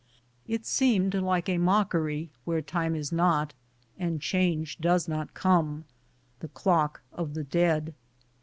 It seemed like a mockery where time is not, and change does not come — the clock of the dead.